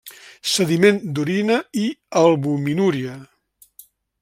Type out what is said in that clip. Sediment d'orina i albuminúria.